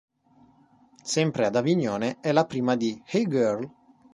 Sempre ad Avignone è la prima di "Hey girl!